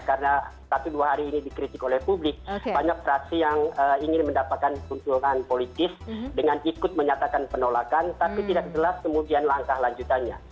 karena satu dua hari ini dikritik oleh publik banyak fraksi yang ingin mendapatkan keuntungan politis dengan ikut menyatakan penolakan tapi tidak jelas kemudian langkah lanjutannya